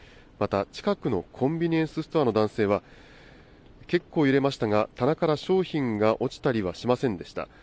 また近くのコンビニエンスストアの男性は結構、揺れましたが棚から商品が落ちたりはしませんでした。